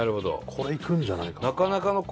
これいくんじゃないかな。